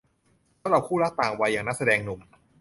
สำหรับคู่รักต่างวัยอย่างนักแสดงหนุ่ม